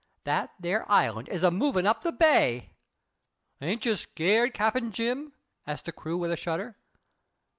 That there island is a movin' up the bay." "Ain't yer skeered, Cap. Jim?" asked the crew, with a shudder.